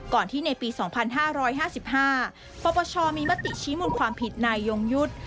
ก่อนที่ในปี๒๕๕๕ปปชมีมติชี้มูลความผิดนายยงยุทธ์